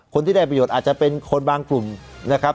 คนที่ได้ประโยชน์อาจจะเป็นคนบางกลุ่มนะครับ